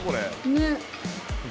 ねっ。